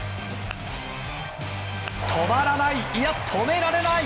止まらない、いや止められない！